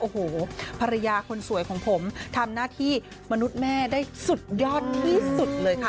โอ้โหภรรยาคนสวยของผมทำหน้าที่มนุษย์แม่ได้สุดยอดที่สุดเลยค่ะ